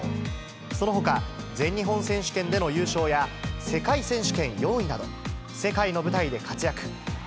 そのほか、全日本選手権での優勝や、世界選手権４位など、世界の舞台で活躍。